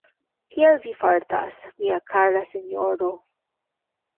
Kiel vi fartas, mia kara sinjoro?